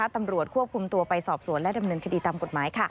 ตำรวจควบคุมตัวไปสอบสวนและดำเนินคดีตามกฎหมาย